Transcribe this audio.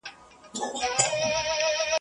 ته ښه سړى ئې، د ورور دي مور دا مانه کوم.